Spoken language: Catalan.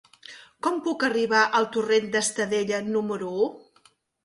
Com puc arribar al torrent d'Estadella número u?